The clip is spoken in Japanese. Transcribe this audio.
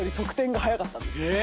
え